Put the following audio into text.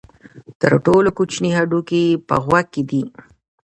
تر ټولو کوچنی هډوکی په غوږ کې دی.